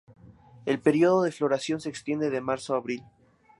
El período de floración se extiende de marzo a abril.